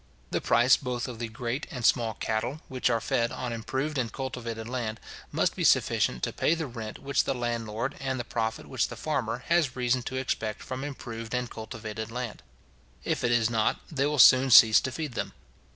The price both of the great and small cattle, which are fed on improved and cultivated land, must be sufficient to pay the rent which the landlord, and the profit which the farmer, has reason to expect from improved and cultivated land. If it is not, they will soon cease to feed them.